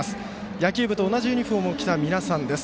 野球部と同じユニフォームを着た皆さんです。